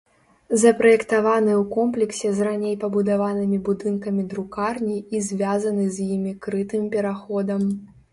Запраектаваны ў комплексе з раней пабудаванымі будынкамі друкарні і звязаны з імі крытым пераходам.